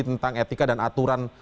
tentang etika dan aturan